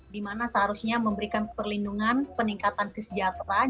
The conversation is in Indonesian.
dimana seharusnya memberikan perlindungan peningkatan kesejahteraan